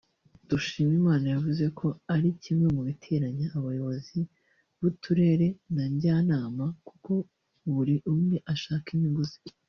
Dushimimana yavuze ko ari kimwe mu biteranya abayobozi b’Uturere na Njyanama kuko buri umwe ashaka inyungu ze